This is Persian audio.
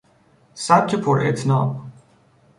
سبک پراطناب